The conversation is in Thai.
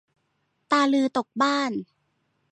ตาลือตกบ้าน